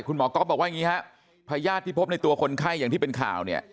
หมอก๊อฟบอกว่าอย่างนี้ฮะพญาติที่พบในตัวคนไข้อย่างที่เป็นข่าวเนี่ย